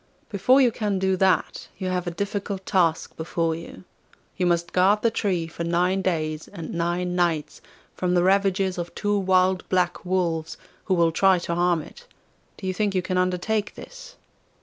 Before you can do that, you have a difficult task before you. You must guard the tree for nine days and nine nights from the ravages of two wild black wolves, who will try to harm it. Do you think you can undertake this?